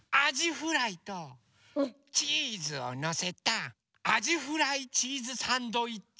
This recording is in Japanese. フライとチーズをのせたあじフライチーズサンドイッチ